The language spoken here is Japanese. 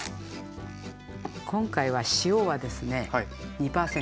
今回は塩はですね２％。